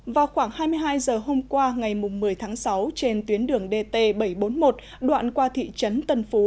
vào khoảng hai mươi hai giờ hôm qua ngày một mươi tháng sáu trên tuyến đường dt bảy trăm bốn mươi một đoạn qua thị trấn tân phú